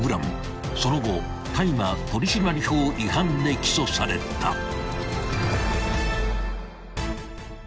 ［その後大麻取締法違反で起訴された］